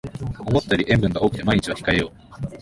思ったより塩分が多くて毎日は控えよう